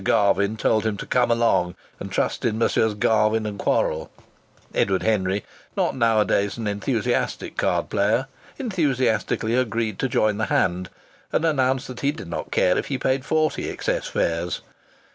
Garvin told him to come along and trust in Messieurs Garvin & Quorrall. Edward Henry, not nowadays an enthusiastic card player, enthusiastically agreed to join the hand, and announced that he did not care if he paid forty excess fares.